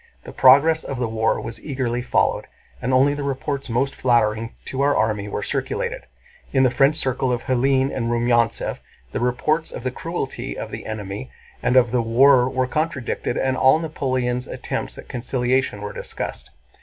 The progress of the war was eagerly followed, and only the reports most flattering to our army were circulated. In the French circle of Hélène and Rumyántsev the reports of the cruelty of the enemy and of the war were contradicted and all Napoleon's attempts at conciliation were discussed.